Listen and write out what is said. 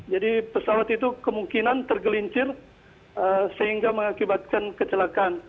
jadi pesawat itu kemungkinan tergelincir sehingga mengakibatkan kecelakaan